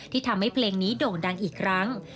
ทำให้เพลงนี้โด่งดังอีกครั้ง